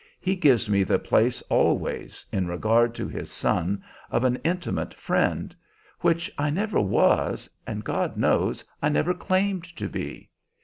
He gives me the place always, in regard to his son, of an intimate friend; which I never was, and God knows I never claimed to be!